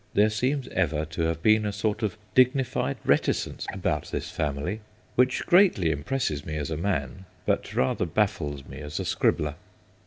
There seems ever to have been a sort of dignified reticence about this family, which greatly impresses me as a man, but rather baffles me as a scribbler.